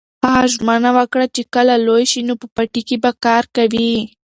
هغه ژمنه وکړه چې کله لوی شي نو په پټي کې به کار کوي.